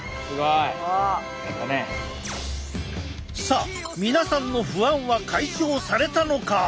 さあ皆さんの不安は解消されたのか？